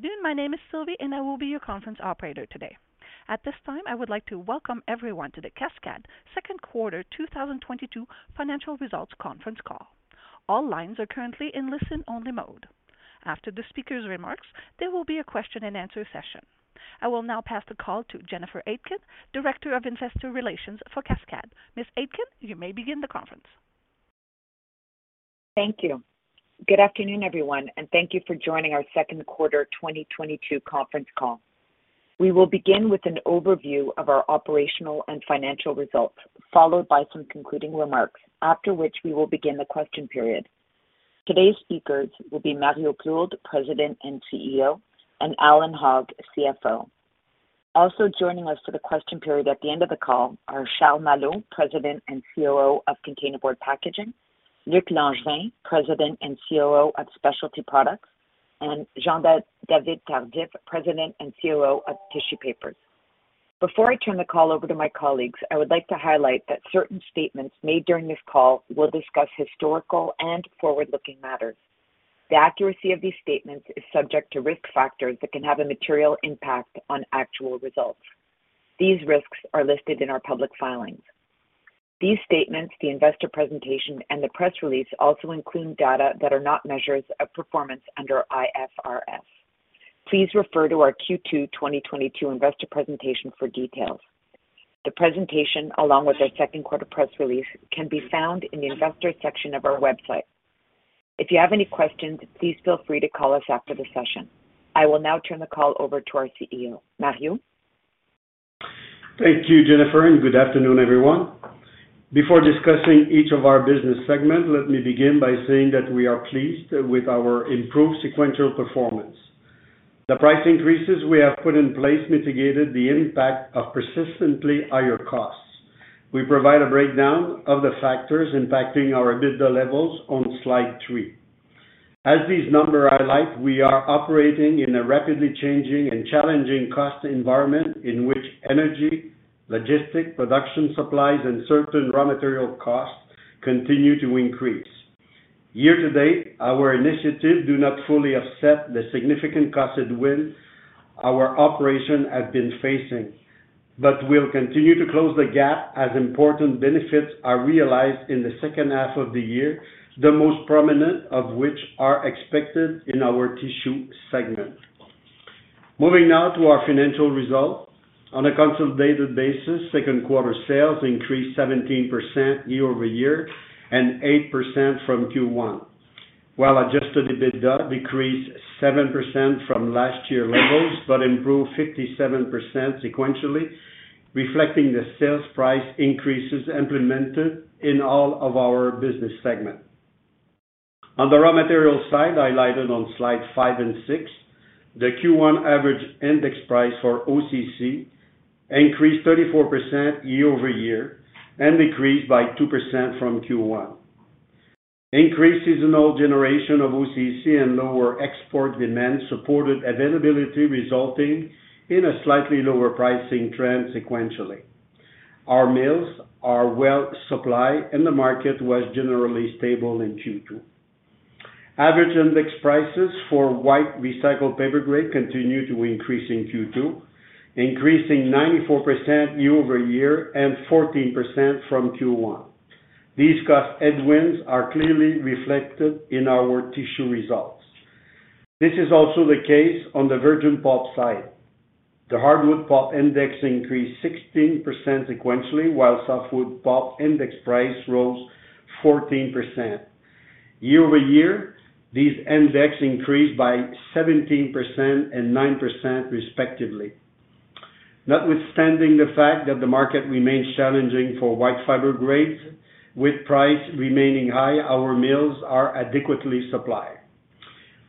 Good afternoon. My name is Sylvie, and I will be your conference operator today. At this time, I would like to welcome everyone to the Cascades Second Quarter 2022 Financial Results Conference Call. All lines are currently in listen-only mode. After the speaker's remarks, there will be a question-and-answer session. I will now pass the call to Jennifer Aitken, Director of Investor Relations for Cascades. Ms. Aitken, you may begin the conference. Thank you. Good afternoon, everyone, and thank you for joining our second quarter 2022 conference call. We will begin with an overview of our operational and financial results, followed by some concluding remarks, after which we will begin the question period. Today's speakers will be Mario Plourde, President and CEO, and Allan Hogg, CFO. Also joining us for the question period at the end of the call are Charles Malo, President and COO of Containerboard Packaging, Luc Langevin, President and COO of Specialty Products Group, and Jean-David Tardif, President and COO of Tissue Papers. Before I turn the call over to my colleagues, I would like to highlight that certain statements made during this call will discuss historical and forward-looking matters. The accuracy of these statements is subject to risk factors that can have a material impact on actual results. These risks are listed in our public filings. These statements, the investor presentation, and the press release also include data that are not measures of performance under IFRS. Please refer to our Q2 2022 investor presentation for details. The presentation, along with our second quarter press release, can be found in the investors section of our website. If you have any questions, please feel free to call us after the session. I will now turn the call over to our CEO. Mario? Thank you, Jennifer, and good afternoon, everyone. Before discussing each of our business segments, let me begin by saying that we are pleased with our improved sequential performance. The price increases we have put in place mitigated the impact of persistently higher costs. We provide a breakdown of the factors impacting our EBITDA levels on slide three. As these numbers highlight, we are operating in a rapidly changing and challenging cost environment in which energy, logistic, production supplies, and certain raw material costs continue to increase. Year-to-date, our initiatives do not fully offset the significant cost headwinds our operation has been facing. We'll continue to close the gap as important benefits are realized in the second half of the year, the most prominent of which are expected in our tissue segment. Moving now to our financial results. On a consolidated basis, second quarter sales increased 17% year-over-year and 8% from Q1, while adjusted EBITDA decreased 7% from last year levels but improved 57% sequentially, reflecting the sales price increases implemented in all of our business segments. On the raw material side, highlighted on slides five and six, the Q1 average index price for OCC increased 34% year-over-year and decreased by 2% from Q1. Increased seasonal generation of OCC and lower export demand supported availability, resulting in a slightly lower pricing trend sequentially. Our mills are well supplied and the market was generally stable in Q2. Average index prices for white recycled paper grade continued to increase in Q2, increasing 94% year-over-year and 14% from Q1. These cost headwinds are clearly reflected in our tissue results. This is also the case on the virgin pulp side. The hardwood pulp index increased 16% sequentially, while softwood pulp index price rose 14%. Year-over-year, these index increased by 17% and 9% respectively. Notwithstanding the fact that the market remains challenging for white fiber grades, with price remaining high, our mills are adequately supplied.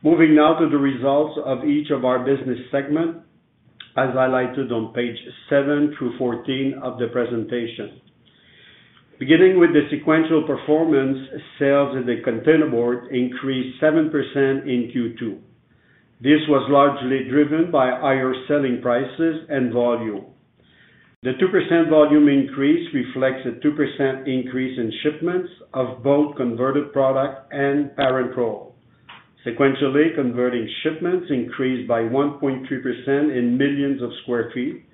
Moving now to the results of each of our business segments, as highlighted on page seven through 14 of the presentation. Beginning with the sequential performance, sales in the Containerboard increased 7% in Q2. This was largely driven by higher selling prices and volume. The 2% volume increase reflects a 2% increase in shipments of both converted product and parent roll. Sequentially, converting shipments increased by 1.3% in millions of square feet,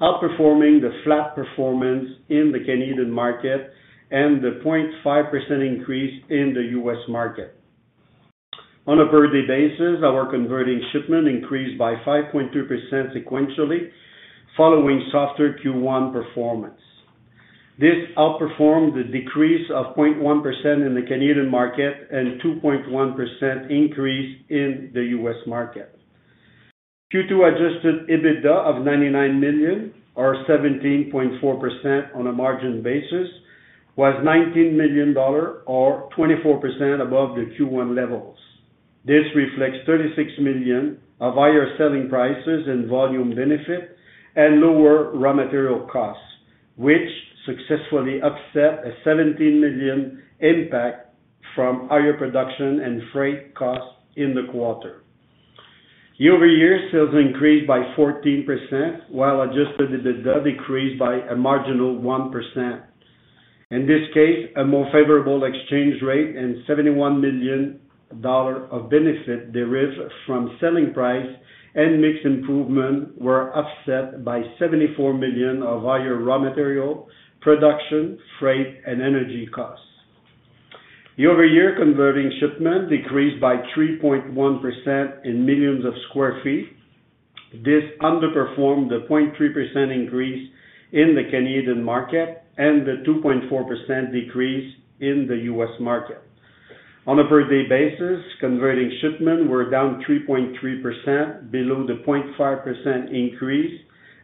outperforming the flat performance in the Canadian market and the 0.5% increase in the U.S. market. On a per day basis, our converting shipment increased by 5.2% sequentially following softer Q1 performance. This outperformed the decrease of 0.1% in the Canadian market and 2.1% increase in the U.S. market. Q2 adjusted EBITDA of 99 million or 17.4% on a margin basis was 19 million dollar or 24% above the Q1 levels. This reflects 36 million of higher selling prices and volume benefit and lower raw material costs, which successfully offset a 17 million impact from higher production and freight costs in the quarter. Year-over-year, sales increased by 14%, while adjusted EBITDA decreased by a marginal 1%. In this case, a more favorable exchange rate and 71 million dollars of benefit derived from selling price and mix improvement were offset by 74 million of higher raw material, production, freight, and energy costs. Year-over-year converting shipment decreased by 3.1% in millions of square feet. This underperformed the 0.3% increase in the Canadian market and the 2.4% decrease in the U.S. market. On a per day basis, converting shipments were down 3.3% below the 0.5% increase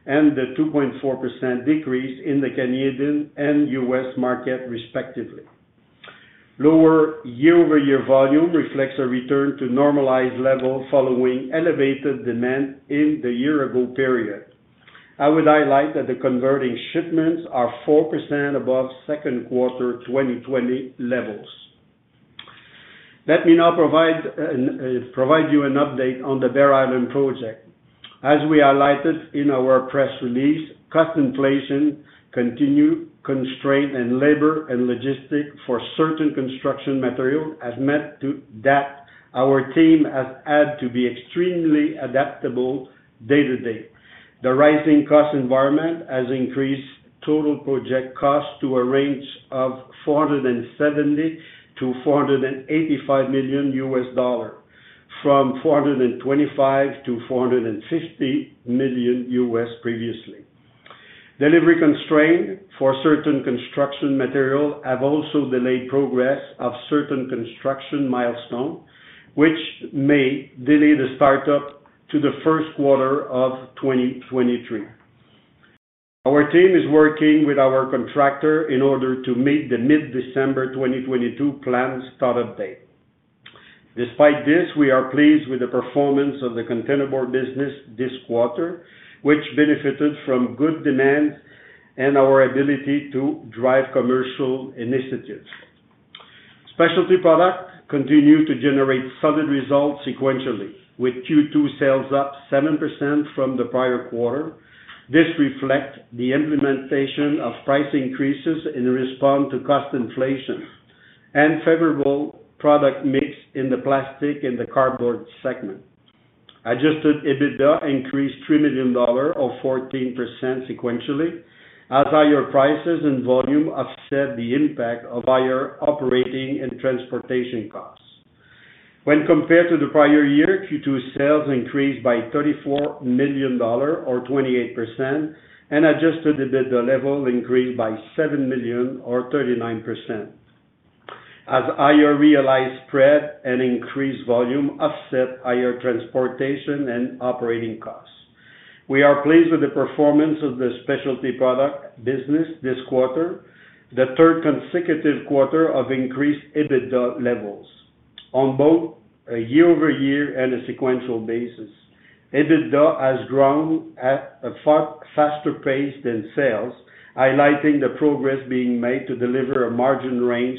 and the 2.4% decrease in the Canadian and U.S. market respectively. Lower year-over-year volume reflects a return to normalized level following elevated demand in the year-ago period. I would highlight that the converting shipments are 4% above second quarter 2020 levels. Let me now provide you an update on the Bear Island project. As we highlighted in our press release, cost inflation continues. Constraints in labor and logistics for certain construction materials has meant that our team has had to be extremely adaptable day to day. The rising cost environment has increased total project cost to a range of $470 million-$485 million, from $425 million-$450 million previously. Delivery constraints for certain construction materials have also delayed progress of certain construction milestones, which may delay the startup to the first quarter of 2023. Our team is working with our contractor in order to meet the mid-December 2022 planned startup date. Despite this, we are pleased with the performance of the Containerboard business this quarter, which benefited from good demand and our ability to drive commercial initiatives. Specialty Products continued to generate solid results sequentially with Q2 sales up 7% from the prior quarter. This reflects the implementation of price increases in response to cost inflation and favorable product mix in the plastic and the cardboard segment. Adjusted EBITDA increased 3 million dollars or 14% sequentially as our prices and volume offset the impact of higher operating and transportation costs. When compared to the prior year, Q2 sales increased by 34 million dollars or 28%, and adjusted EBITDA increased by 7 million or 39% as higher realized spread and increased volume offset higher transportation and operating costs. We are pleased with the performance of the specialty product business this quarter, the third consecutive quarter of increased EBITDA levels on both a year-over-year and a sequential basis. EBITDA has grown at a far faster pace than sales, highlighting the progress being made to deliver a margin range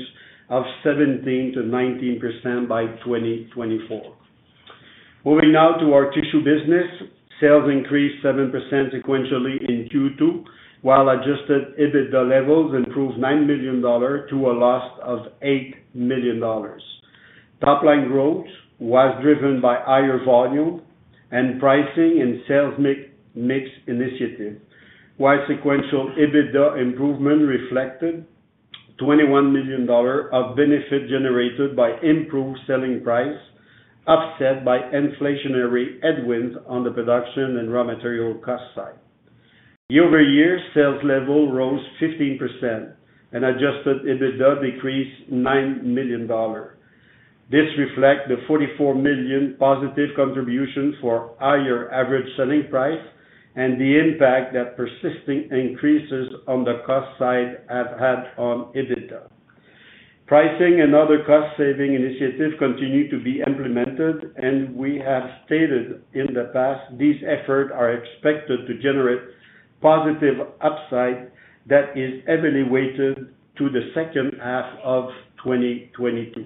of 17%-19% by 2024. Moving now to our tissue business. Sales increased 7% sequentially in Q2, while adjusted EBITDA levels improved 9 million dollars to a loss of 8 million dollars. Top line growth was driven by higher volume and pricing and sales mix initiative. Sequential EBITDA improvement reflected 21 million dollars of benefit generated by improved selling price, offset by inflationary headwinds on the production and raw material cost side. Year-over-year sales level rose 15% and adjusted EBITDA decreased 9 million dollars. This reflects the 44 million positive contribution for higher average selling price and the impact that persistent increases on the cost side have had on EBITDA. Pricing and other cost-saving initiatives continue to be implemented, and we have stated in the past these efforts are expected to generate positive upside that is heavily weighted to the second half of 2022.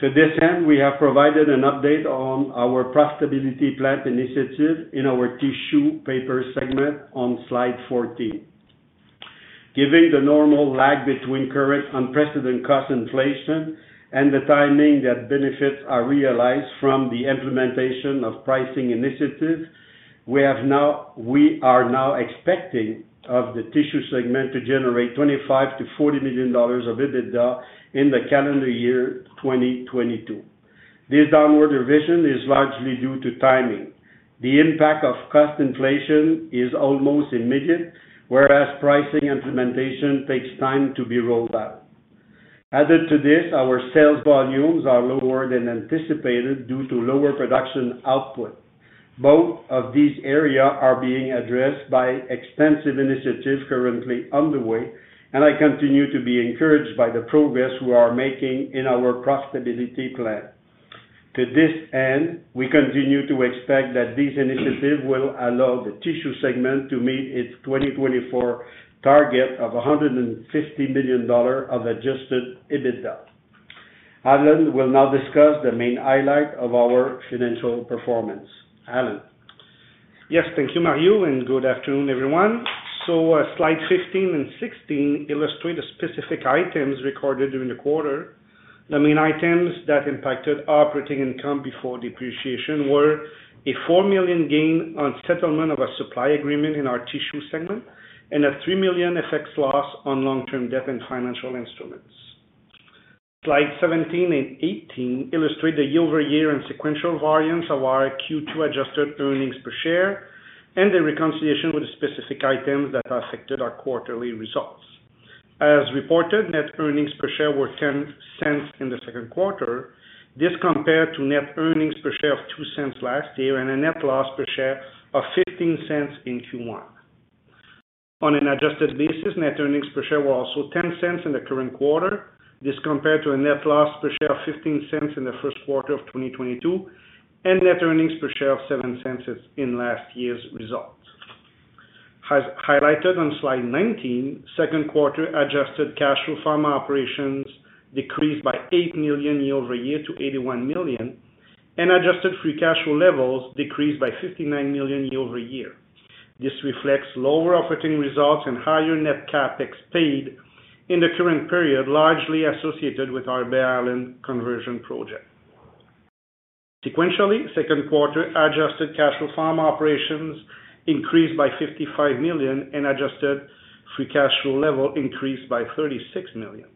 To this end, we have provided an update on our profitability plan initiative in our tissue paper segment on slide 14. Given the normal lag between current unprecedented cost inflation and the timing that benefits are realized from the implementation of pricing initiatives, we are now expecting the tissue segment to generate 25 million-40 million dollars of EBITDA in the calendar year 2022. This downward revision is largely due to timing. The impact of cost inflation is almost immediate, whereas pricing implementation takes time to be rolled out. Added to this, our sales volumes are lower than anticipated due to lower production output. Both of these areas are being addressed by extensive initiatives currently underway, and I continue to be encouraged by the progress we are making in our profitability plan. To this end, we continue to expect that these initiatives will allow the tissue segment to meet its 2024 target of 150 million dollars of adjusted EBITDA. Allan will now discuss the main highlight of our financial performance. Allan? Yes. Thank you, Mario, and good afternoon, everyone. Slide 15 and 16 illustrate the specific items recorded during the quarter. The main items that impacted operating income before depreciation were a 4 million gain on settlement of a supply agreement in our tissue segment and a 3 million FX loss on long-term debt and financial instruments. Slide 17 and 18 illustrate the year-over-year and sequential variance of our Q2 adjusted earnings per share and the reconciliation with the specific items that affected our quarterly results. As reported, net earnings per share were 0.10 in the second quarter. This compared to net earnings per share of 0.02 last year and a net loss per share of 0.15 in Q1. On an adjusted basis, net earnings per share were also 0.10 in the current quarter. This compared to a net loss per share of 0.15 in the first quarter of 2022 and net earnings per share of 0.07 in last year's results. As highlighted on slide 19, second quarter adjusted cash from operations decreased by 8 million year-over-year to 81 million, and adjusted free cash flow levels decreased by 59 million year-over-year. This reflects lower operating results and higher net CapEx paid in the current period, largely associated with our Bear Island conversion project. Sequentially, second quarter adjusted cash from operations increased by 55 million, and adjusted free cash flow level increased by 36 million.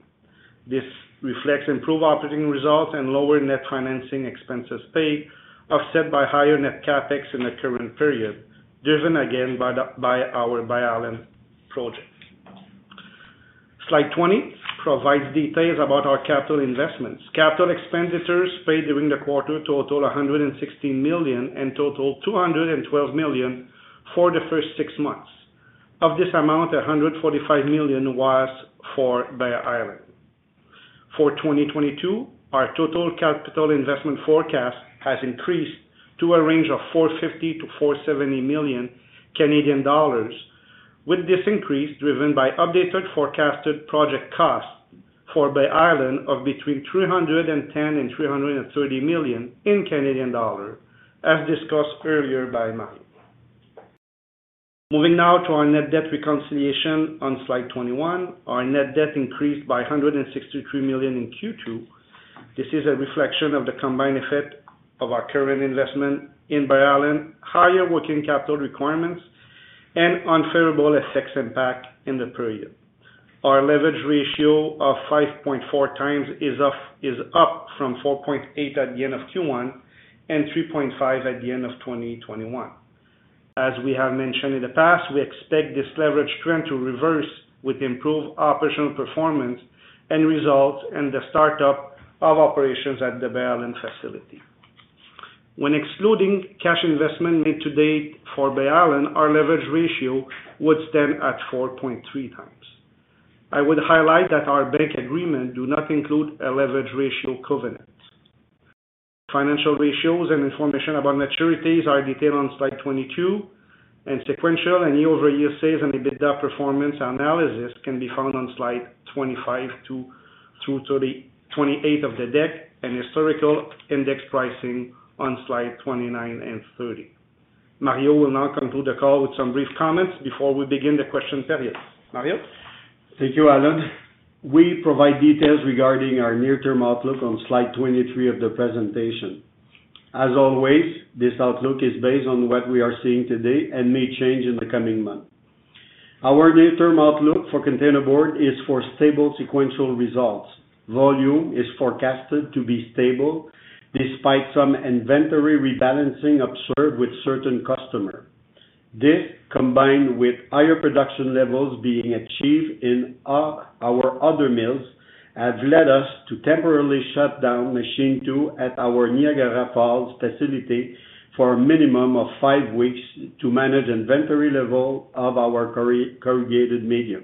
This reflects improved operating results and lower net financing expenses paid, offset by higher net CapEx in the current period, driven again by our Bear Island project. Slide 20 provides details about our capital investments. Capital expenditures paid during the quarter total 160 million and total 212 million for the first six months. Of this amount, 145 million was for Bear Island. For 2022, our total capital investment forecast has increased to a range of 450 million-470 million Canadian dollars, with this increase driven by updated forecasted project costs for Bear Island of between 310 million and 330 million in Canadian dollars, as discussed earlier by Mario. Moving now to our net debt reconciliation on slide 21. Our net debt increased by 163 million in Q2. This is a reflection of the combined effect of our current investment in Bear Island, higher working capital requirements, and unfavorable FX impact in the period. Our leverage ratio of 5.4x is up from 4.8x at the end of Q1 and 3.5x at the end of 2021. As we have mentioned in the past, we expect this leverage trend to reverse with improved operational performance and results in the startup of operations at the Bear Island facility. When excluding cash investment made to date for Bear Island, our leverage ratio would stand at 4.3x. I would highlight that our bank agreement do not include a leverage ratio covenant. Financial ratios and information about maturities are detailed on slide 22, and sequential and year-over-year sales and EBITDA performance analysis can be found on slide 25 through the 28th of the deck and historical index pricing on slide 29 and 30. Mario will now conclude the call with some brief comments before we begin the question period. Mario? Thank you, Allan. We provide details regarding our near-term outlook on slide 23 of the presentation. As always, this outlook is based on what we are seeing today and may change in the coming months. Our near-term outlook for Containerboard is for stable sequential results. Volume is forecasted to be stable despite some inventory rebalancing observed with certain customer. This, combined with higher production levels being achieved in our other mills, have led us to temporarily shut down machine two at our Niagara Falls facility for a minimum of five weeks to manage inventory level of our corrugated medium.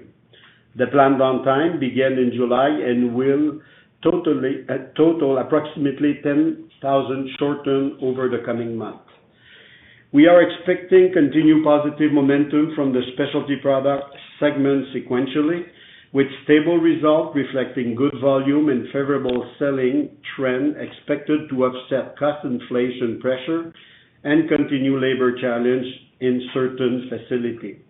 The planned downtime began in July and will total approximately 10,000 short tons over the coming months. We are expecting continued positive momentum from the specialty product segment sequentially, with stable results reflecting good volume and favorable selling trend expected to offset cost inflation pressure and continued labor challenge in certain facilities.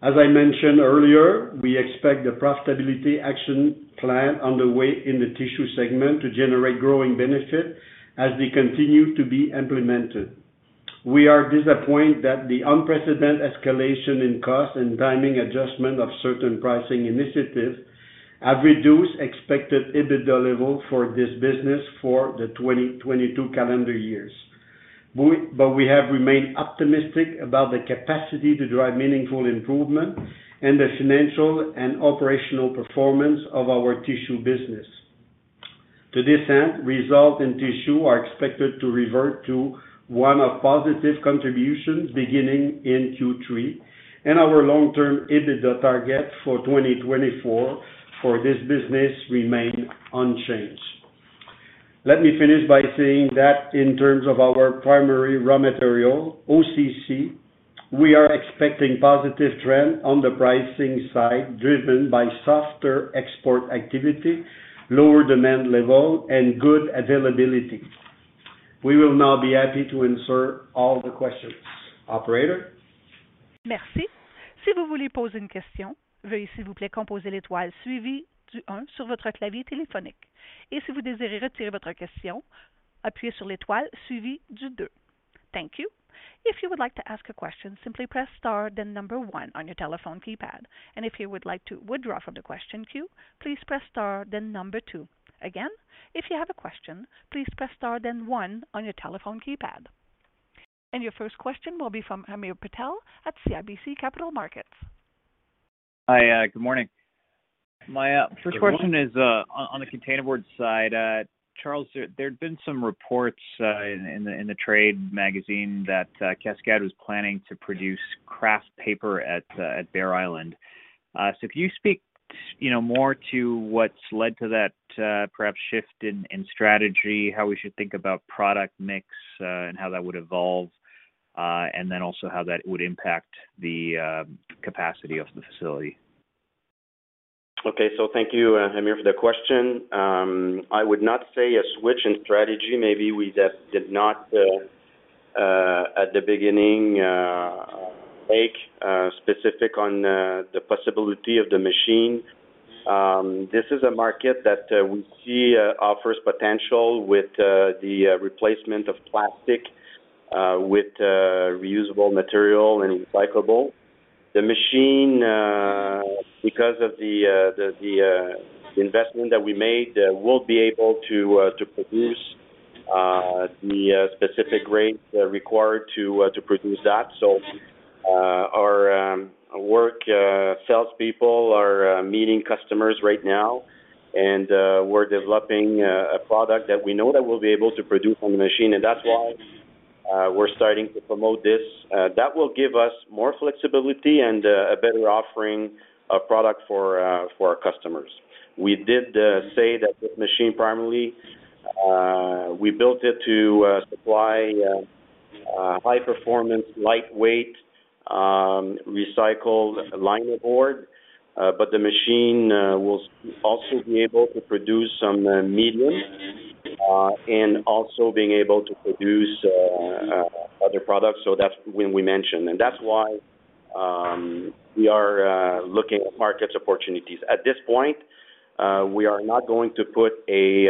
As I mentioned earlier, we expect the profitability action plan underway in the tissue segment to generate growing benefit as they continue to be implemented. We are disappointed that the unprecedented escalation in cost and timing adjustment of certain pricing initiatives have reduced expected EBITDA levels for this business for the 2022 calendar years. We have remained optimistic about the capacity to drive meaningful improvement in the financial and operational performance of our tissue business. To this end, results in tissue are expected to revert to one of positive contributions beginning in Q3, and our long-term EBITDA target for 2024 for this business remain unchanged. Let me finish by saying that in terms of our primary raw material, OCC. We are expecting positive trend on the pricing side, driven by softer export activity, lower demand level, and good availability. We will now be happy to answer all the questions. Operator? Thank you. If you would like to ask a question, simply press star then number one on your telephone keypad. If you would like to withdraw from the question queue, please press star then number two. Again, if you have a question, please press star then one on your telephone keypad. Your first question will be from Hamir Patel at CIBC Capital Markets. Hi. Good morning. My first question- Good morning. is on the Containerboard side. Charles, there'd been some reports in the trade magazine that Cascades was planning to produce kraft paper at Bear Island. If you speak, you know, more to what's led to that, perhaps shift in strategy, how we should think about product mix, and how that would evolve, and then also how that would impact the capacity of the facility. Thank you, Hamir, for the question. I would not say a switch in strategy. Maybe we just did not at the beginning make specific on the possibility of the machine. This is a market that we see offers potential with the replacement of plastic with reusable material and recyclable. The machine, because of the investment that we made, we'll be able to produce the specific rates required to produce that. Our salespeople are meeting customers right now and we're developing a product that we know that we'll be able to produce on the machine. That's why we're starting to promote this. That will give us more flexibility and a better offering of product for our customers. We did say that this machine primarily we built it to supply high performance, lightweight recycled linerboard. But the machine will also be able to produce some medium and also being able to produce other products. That's when we mentioned. That's why we are looking at market opportunities. At this point, we are not going to put a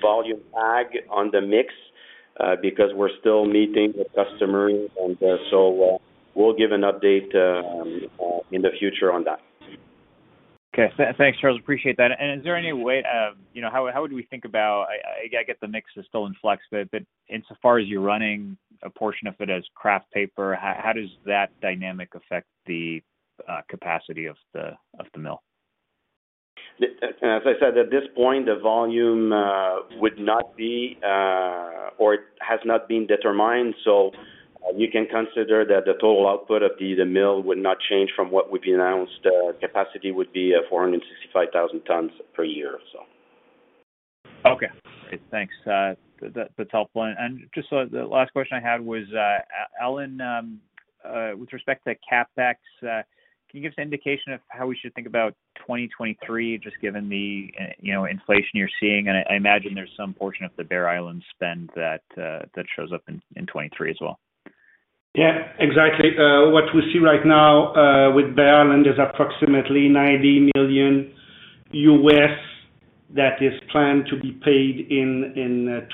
volume tag on the mix because we're still meeting with customers, and we'll give an update in the future on that. Okay. Thanks, Charles. Appreciate that. Is there any way, you know, how would we think about, I, again, I get the mix is still in flux, but insofar as you're running a portion of it as kraft paper, how does that dynamic affect the capacity of the mill? As I said, at this point, the volume would not be or it has not been determined. You can consider that the total output of the mill would not change from what would be announced. Capacity would be 465,000 tons per year. Okay. Great. Thanks. That's helpful. Just the last question I had was, Allan, with respect to CapEx, can you give us an indication of how we should think about 2023 just given the, you know, inflation you're seeing? I imagine there's some portion of the Bear Island spend that shows up in 2023 as well. Yeah, exactly. What we see right now with Bear Island is approximately $90 million that is planned to be paid in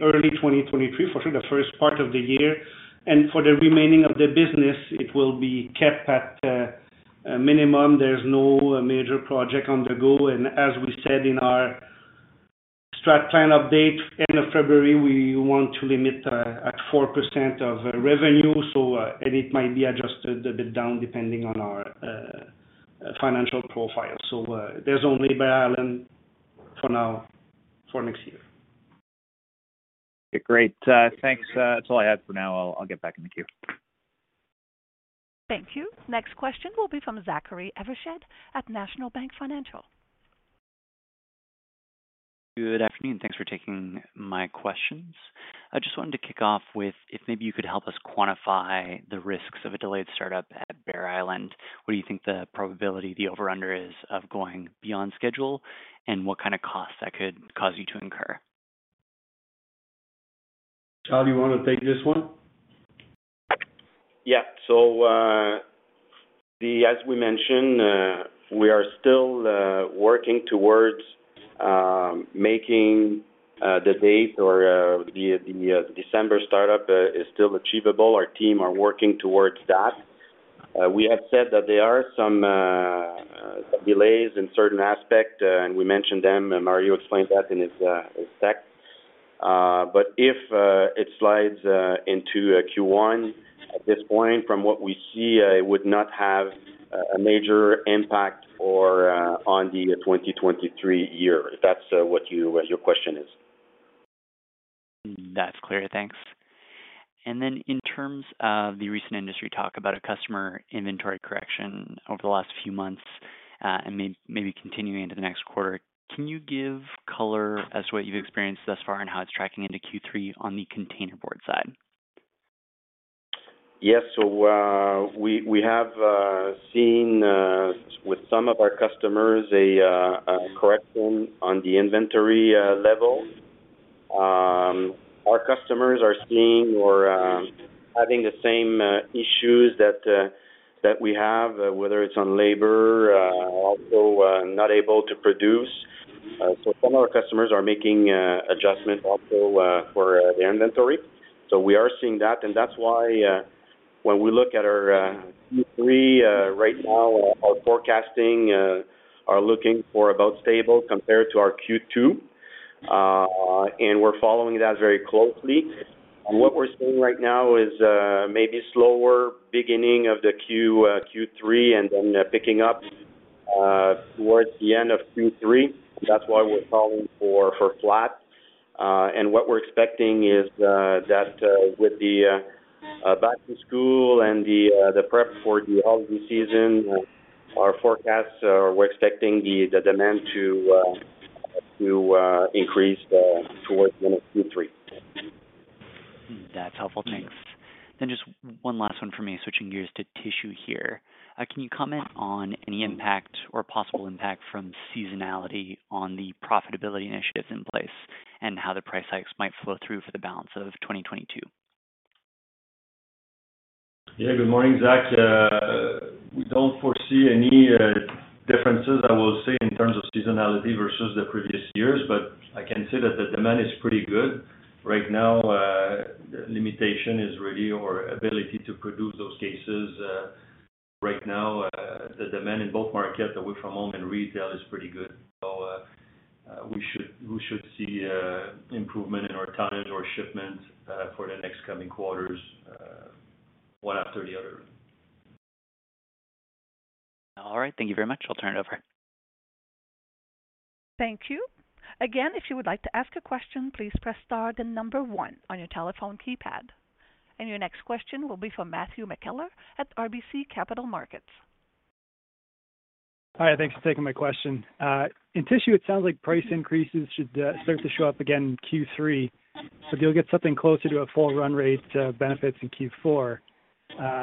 early 2023, for sure the first part of the year. For the remaining of the business, it will be kept at a minimum. There's no major project on the go. As we said in our strategic plan update end of February, we want to limit at 4% of revenue. It might be adjusted a bit down depending on our financial profile. There's only Bear Island for now for next year. Okay, great. Thanks. That's all I had for now. I'll get back in the queue. Thank you. Next question will be from Zachary Evershed at National Bank Financial. Good afternoon. Thanks for taking my questions. I just wanted to kick off with if maybe you could help us quantify the risks of a delayed startup at Bear Island. What do you think the probability, the over-under is of going beyond schedule, and what kind of costs that could cause you to incur? Charles, you wanna take this one? Yeah. As we mentioned, we are still working towards making the December startup is still achievable. Our team are working towards that. We have said that there are some delays in certain aspect, and we mentioned them, and Mario explained that in his deck. If it slides into Q1, at this point, from what we see, it would not have a major impact on the 2023 year, if that's what your question is. That's clear. Thanks. In terms of the recent industry talk about a customer inventory correction over the last few months, and maybe continuing into the next quarter. Can you give color as to what you've experienced thus far and how it's tracking into Q3 on the Containerboard side? Yes. We have seen with some of our customers a correction on the inventory level. Our customers are seeing or having the same issues that we have whether it's on labor, also not able to produce. Some of our customers are making adjustments also for the inventory. We are seeing that, and that's why when we look at our Q3 right now, our forecasting are looking for about stable compared to our Q2. We're following that very closely. What we're seeing right now is maybe slower beginning of the Q3 and then picking up towards the end of Q3. That's why we're calling for flat. What we're expecting is that with the back to school and the prep for the holiday season, our forecasts are we're expecting the demand to increase towards the end of Q3. That's helpful. Thanks. Just one last one for me, switching gears to tissue here. Can you comment on any impact or possible impact from seasonality on the profitability initiatives in place, and how the price hikes might flow through for the balance of 2022? Yeah. Good morning, Zach. We don't foresee any differences, I will say, in terms of seasonality versus the previous years, but I can say that the demand is pretty good. Right now, the limitation is really our ability to produce those cases. Right now, the demand in both markets, the work from home and retail is pretty good. We should see improvement in our tonnage or shipments for the next coming quarters, one after the other. All right. Thank you very much. I'll turn it over. Thank you. Again, if you would like to ask a question, please press star then number one on your telephone keypad. Your next question will be from Matthew McKellar at RBC Capital Markets. Hi, thanks for taking my question. In tissue, it sounds like price increases should start to show up again Q3. You'll get something closer to a full run rate, benefits in Q4.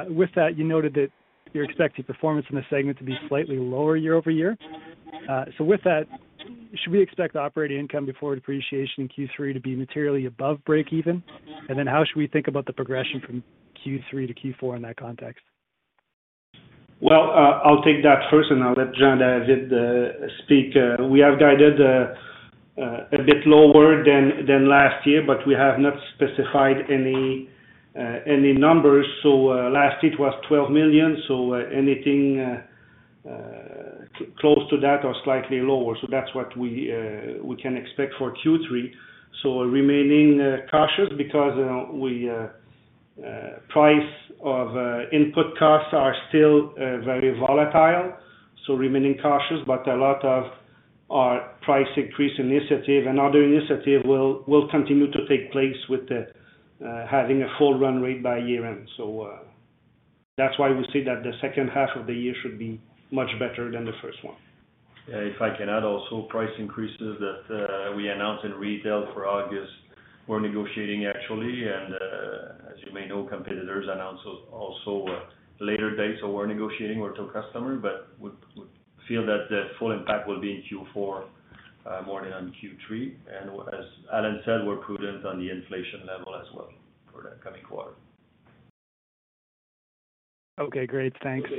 With that, you noted that you're expecting performance in the segment to be slightly lower year-over-year. With that, should we expect operating income before depreciation in Q3 to be materially above break even? How should we think about the progression from Q3 to Q4 in that context? Well, I'll take that first, and I'll let Jean-David speak. We have guided a bit lower than last year, but we have not specified any numbers. Last it was 12 million, so anything close to that or slightly lower. That's what we can expect for Q3. Remaining cautious because prices of input costs are still very volatile, so remaining cautious. But a lot of our price increase initiative and other initiative will continue to take place with them having a full run rate by year-end. That's why we say that the second half of the year should be much better than the first one. If I can add also, price increases that we announced in retail for August, we're negotiating actually. As you may know, competitors announced also later date, so we're negotiating with those customer, but we feel that the full impact will be in Q4 more than on Q3. Allan said, we're prudent on the inflation level as well for the coming quarter. Okay, great. Thanks.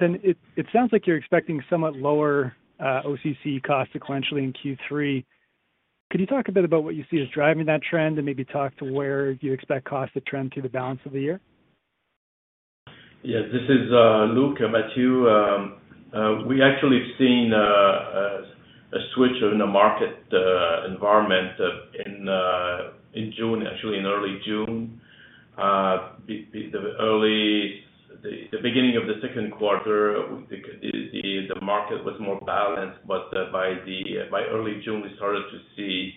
It sounds like you're expecting somewhat lower OCC costs sequentially in Q3. Could you talk a bit about what you see as driving that trend and maybe talk to where you expect costs to trend through the balance of the year? Yes. This is Luc. Matthew, we actually have seen a switch in the market environment in June, actually in early June. The beginning of the second quarter, we think the market was more balanced, but by early June, we started to see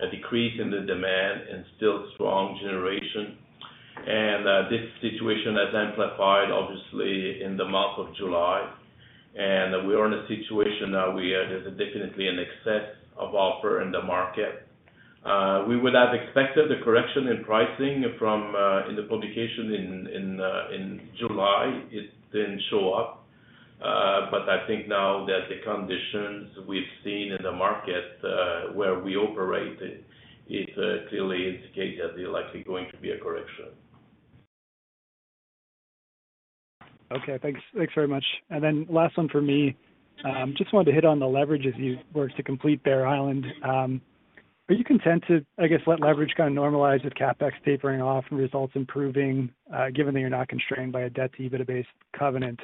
a decrease in the demand and still strong generation. This situation has amplified, obviously, in the month of July. We are in a situation now where there's definitely an excess of offer in the market. We would have expected the correction in pricing from the publication in July, it didn't show up. I think now that the conditions we've seen in the market, where we operate, it clearly indicates that there likely going to be a correction. Okay, thanks. Thanks very much. Last one for me. Just wanted to hit on the leverage as you work to complete Bear Island. Are you content to, I guess, let leverage kind of normalize with CapEx tapering off and results improving, given that you're not constrained by a debt-to-EBITDA-based covenant?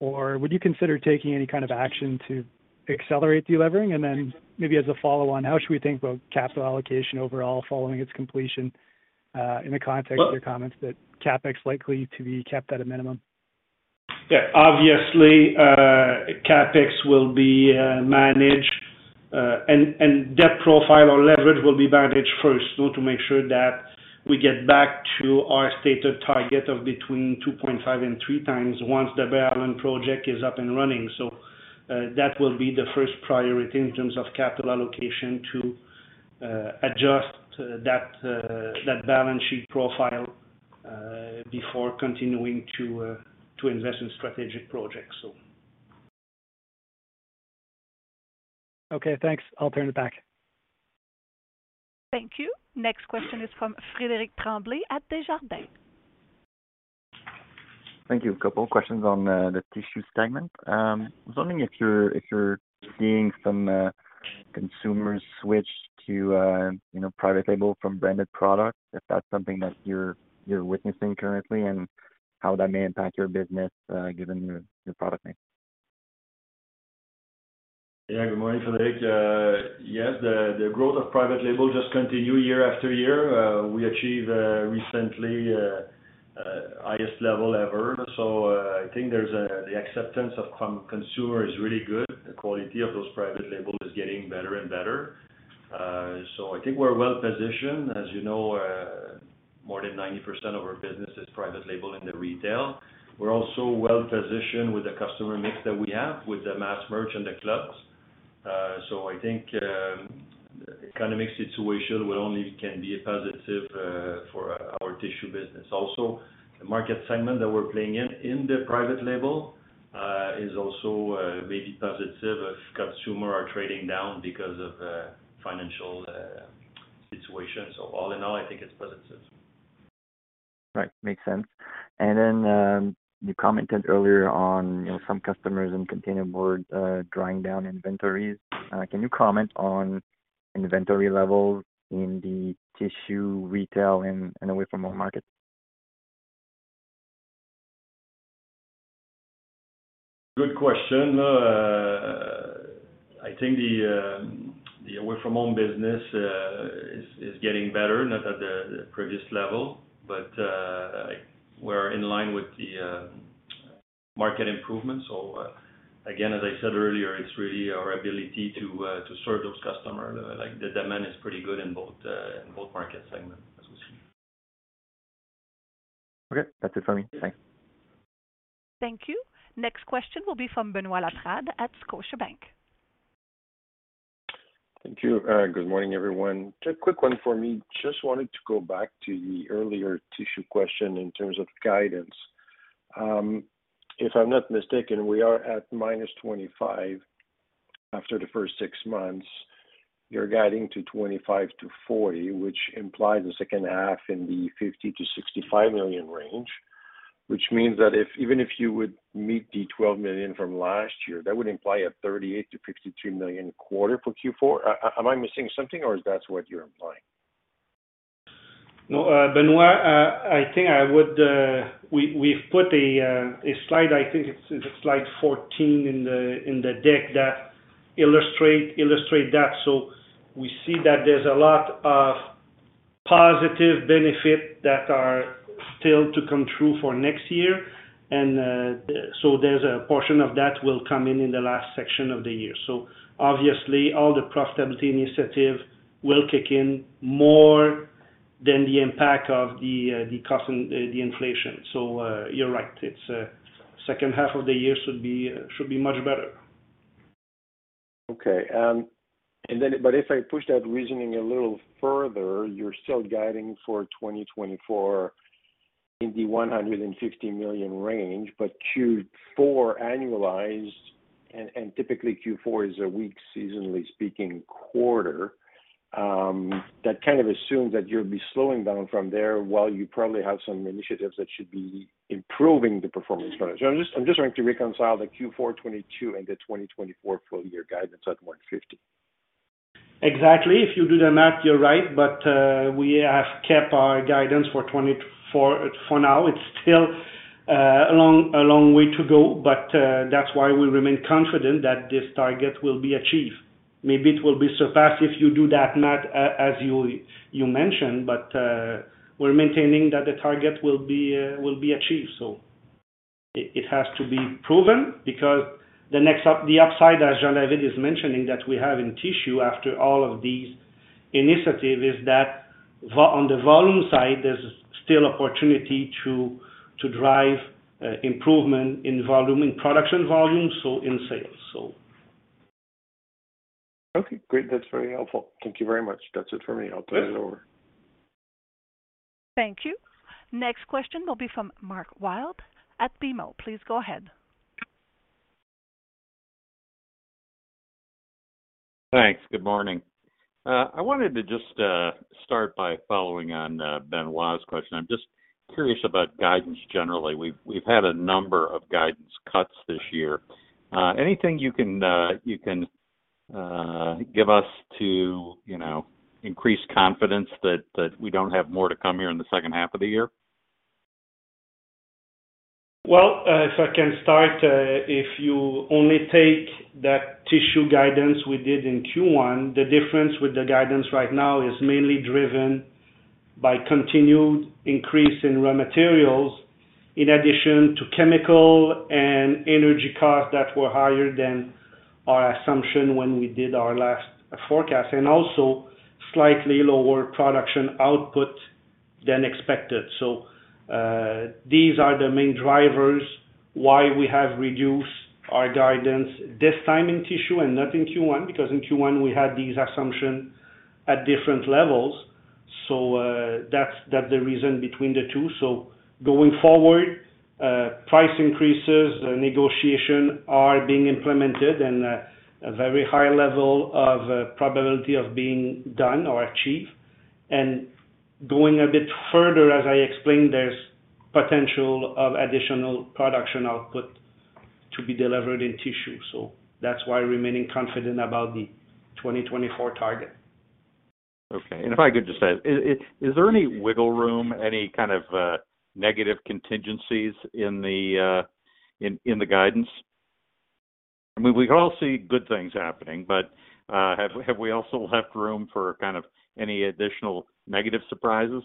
Would you consider taking any kind of action to accelerate de-levering? Maybe as a follow-on, how should we think about capital allocation overall following its completion, in the context of your comments that CapEx likely to be kept at a minimum? Yeah. Obviously, CapEx will be managed, and debt profile or leverage will be balanced first. To make sure that we get back to our stated target of between 2.5x and 3x once the Bear Island project is up and running. That will be the first priority in terms of capital allocation to adjust that balance sheet profile before continuing to invest in strategic projects. Okay, thanks. I'll turn it back. Thank you. Next question is from Frédéric Tremblay at Desjardins. Thank you. A couple questions on the tissue segment. I was wondering if you're seeing some consumers switch to, you know, private label from branded products, if that's something that you're witnessing currently and how that may impact your business, given your product mix. Yeah. Good morning, Frédéric. Yes, the growth of private label just continues year after year. We achieved recently the highest level ever. I think the acceptance of consumer is really good. The quality of those private label is getting better and better. So I think we're well-positioned. As you know, more than 90% of our business is private label in the retail. We're also well-positioned with the customer mix that we have with the mass merch and the clubs. I think economic situation will only can be a positive for our tissue business. Also, the market segment that we're playing in the private label, is also maybe positive if consumer are trading down because of financial situation. All in all, I think it's positive. Right. Makes sense. You commented earlier on, you know, some customers in Containerboard drawing down inventories. Can you comment on inventory levels in the tissue retail and away from home market? Good question. I think the away from home business is getting better, not at the previous level, but we're in line with the market improvements. Again, as I said earlier, it's really our ability to serve those customers. Like, the demand is pretty good in both market segments as we see. Okay. That's it for me. Thanks. Thank you. Next question will be from Benoît Laprade at Scotiabank. Thank you. Good morning, everyone. Just a quick one for me. Just wanted to go back to the earlier tissue question in terms of guidance. If I'm not mistaken, we are at -25 million after the first six months. You're guiding to 25 million-40 million, which implies the second half in the 50 million-65 million range, which means that even if you would meet the 12 million from last year, that would imply a 38 million-52 million quarter for Q4. Am I missing something or is that what you're implying? No, Benoît, I think we’ve put a slide, I think it’s slide 14 in the deck that illustrates that. We see that there’s a lot of positive benefit that are still to come through for next year. There’s a portion of that will come in in the last section of the year. Obviously all the profitability initiative will kick in more than the impact of the cost and the inflation. You’re right. It’s second half of the year should be much better. Okay. If I push that reasoning a little further, you're still guiding for 2024 in the 150 million range, but Q4 annualized, and typically Q4 is a weak, seasonally speaking quarter, that kind of assumes that you'll be slowing down from there while you probably have some initiatives that should be improving the performance. I'm just wanting to reconcile the Q4 2022 and the 2024 full year guidance at 150 million. Exactly. If you do the math, you're right. We have kept our guidance for 2024 for now. It's still a long way to go, but that's why we remain confident that this target will be achieved. Maybe it will be surpassed if you do that math as you mentioned, but we're maintaining that the target will be achieved. It has to be proven because the upside, as Jean-David is mentioning that we have in tissue after all of these initiatives is that on the volume side, there's still opportunity to drive improvement in volume, in production volume, so in sales. Okay, great. That's very helpful. Thank you very much. That's it for me. I'll turn it over. Thank you. Next question will be from Mark Wilde at BMO. Please go ahead. Thanks. Good morning. I wanted to just start by following on Benoît's question. I'm just curious about guidance generally. We've had a number of guidance cuts this year. Anything you can give us to, you know, increase confidence that we don't have more to come here in the second half of the year? Well, if I can start, if you only take that tissue guidance we did in Q1, the difference with the guidance right now is mainly driven by continued increase in raw materials, in addition to chemical and energy costs that were higher than our assumption when we did our last forecast and also slightly lower production output than expected. These are the main drivers why we have reduced our guidance this time in tissue and not in Q1, because in Q1 we had these assumptions at different levels. That's the reason between the two. Going forward, price increases, negotiations are being implemented and a very high level of probability of being done or achieved. Going a bit further, as I explained, there's potential of additional production output to be delivered in tissue. That's why remaining confident about the 2024 target. Okay. If I could just add, is there any wiggle room, any kind of negative contingencies in the guidance? I mean, we can all see good things happening, but have we also left room for kind of any additional negative surprises?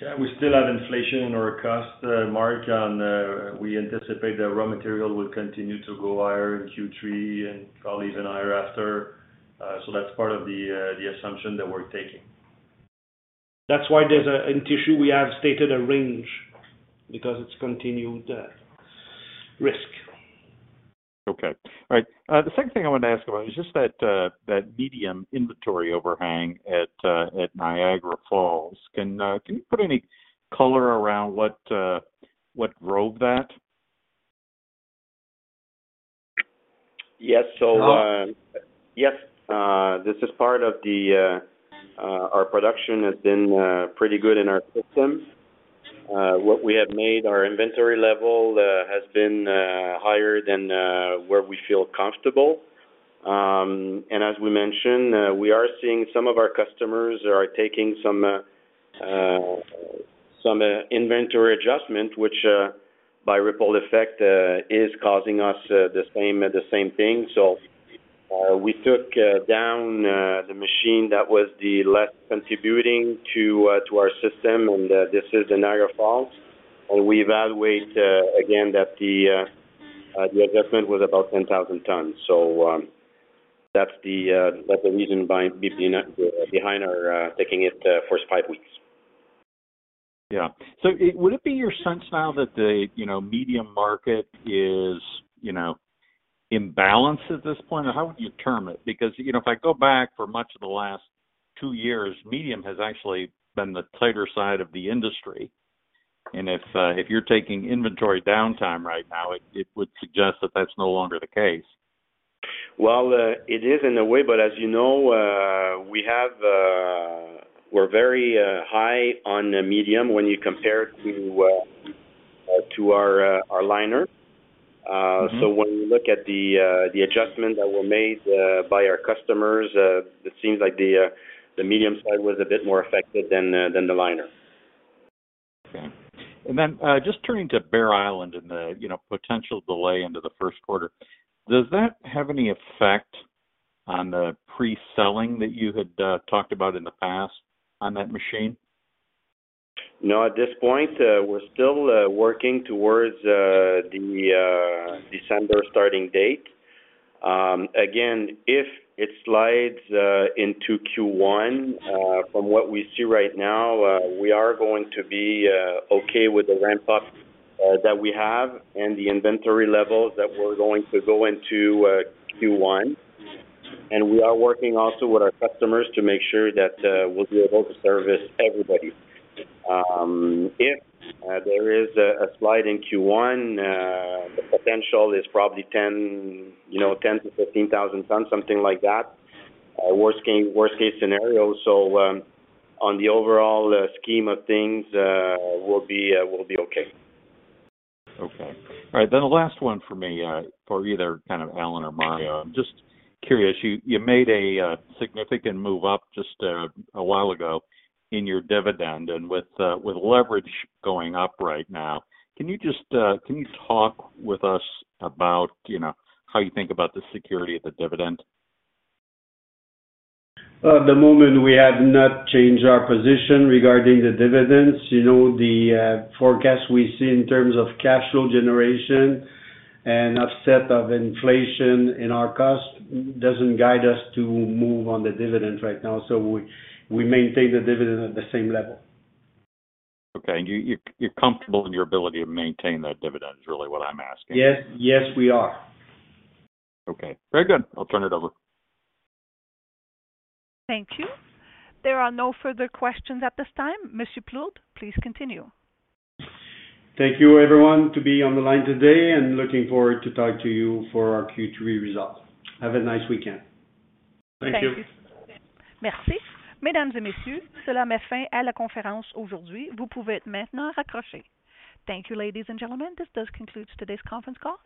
Yeah, we still have inflation in our cost, Mark, and we anticipate that raw material will continue to go higher in Q3 and probably even higher after. That's part of the assumption that we're taking. That's why there's in tissue we have stated a range because it's continued risk. Okay. All right. The second thing I wanted to ask about is just that medium inventory overhang at Niagara Falls. Can you put any color around what drove that? Yes. Hello? Yes. This is part of our production has been pretty good in our systems. With what we have made, our inventory level has been higher than where we feel comfortable. As we mentioned, we are seeing some of our customers are taking some inventory adjustment, which by ripple effect is causing us the same thing. We took down the machine that was the least contributing to our system and this is in Niagara Falls. We evaluate again that the adjustment was about 10,000 tons. That's the reason behind our taking it first five weeks. Would it be your sense now that the, you know, medium market is, you know, imbalanced at this point? How would you term it? Because, you know, if I go back for much of the last two years, medium has actually been the tighter side of the industry. If you're taking inventory downtime right now, it would suggest that that's no longer the case. Well, it is in a way, but as you know, we're very high on the medium when you compare to our liner. Mm-hmm. When you look at the adjustments that were made by our customers, it seems like the medium side was a bit more affected than the liner. Just turning to Bear Island and the, you know, potential delay into the first quarter. Does that have any effect on the pre-selling that you had talked about in the past on that machine? No, at this point, we're still working towards the December starting date. Again, if it slides into Q1, from what we see right now, we are going to be okay with the ramp up that we have and the inventory levels that we're going to go into Q1. We are working also with our customers to make sure that we'll be able to service everybody. If there is a slide in Q1, the potential is probably 10,000, you know, 10,000 tons-15,000 tons, something like that. Worst case scenario. On the overall scheme of things, we'll be okay. Okay. All right, the last one for me, for either kind of Allan or Mario. I'm just curious, you made a significant move up just a while ago in your dividend and with leverage going up right now. Can you just talk with us about, you know, how you think about the security of the dividend? At the moment, we have not changed our position regarding the dividends. You know, the forecast we see in terms of cash flow generation and offset of inflation in our cost doesn't guide us to move on the dividends right now. We maintain the dividend at the same level. Okay. You're comfortable in your ability to maintain that dividend is really what I'm asking? Yes. Yes, we are. Okay. Very good. I'll turn it over. Thank you. There are no further questions at this time. Monsieur Plourde, please continue. Thank you everyone to be on the line today and looking forward to talk to you for our Q3 results. Have a nice weekend. Thank you. Thank you. Merci. Thank you, ladies and gentlemen, this does conclude today's conference call.